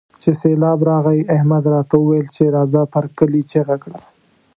چې سېبلاب راغی؛ احمد راته وويل چې راځه پر کلي چيغه کړه.